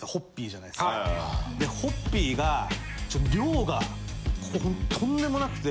ホッピーが量がとんでもなくて。